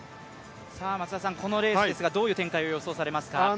このレース、どういう展開を予想されますか？